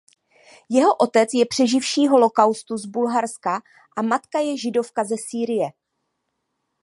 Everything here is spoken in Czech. Jeho otec je přeživší holocaustu z Bulharska a matka je Židovka ze Sýrie.